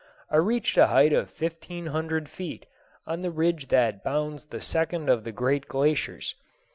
I reached a height of fifteen hundred feet, on the ridge that bounds the second of the great glaciers.